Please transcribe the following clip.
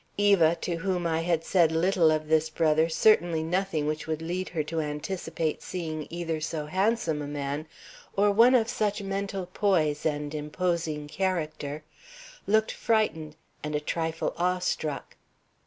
Eva, to whom I had said little of this brother, certainly nothing which would lead her to anticipate seeing either so handsome a man or one of such mental poise and imposing character, looked frightened and a trifle awe struck.